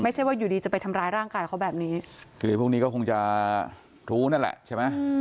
ไม่ใช่ว่าอยู่ดีจะไปทำร้ายร่างกายเขาแบบนี้คือพวกนี้ก็คงจะรู้นั่นแหละใช่ไหม